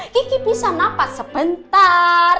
kiki bisa napas sebentar